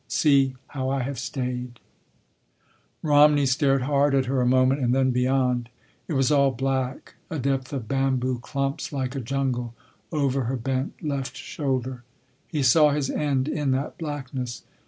See, how I have stayed—" Romney stared hard at her a moment, and then beyond. It was all black, a depth of bamboo clumps like a jungle, over her bent left shoulder. He saw his end in that blackness.